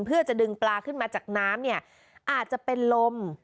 เพื่อจะดึงปลาขึ้นมาจากน้ำเนี่ยอาจจะเป็นลม